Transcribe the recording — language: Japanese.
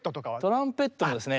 トランペットもですね